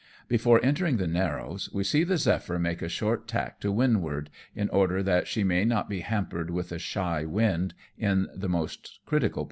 Before entering the narrows, we see the Zephyr make a short tack to windward, in order that she may not be hampered with a shy wind in the most critical RESCUING FUGITIVE CELESTIALS.